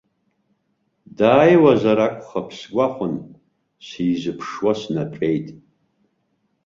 Дааиуазар акәхап сгәахәын, сизыԥшуа снатәеит.